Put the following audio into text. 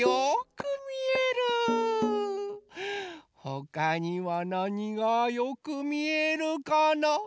ほかにはなにがよくみえるかな？